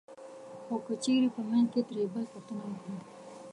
خو که چېرې په منځ کې ترې بل پوښتنه وکړي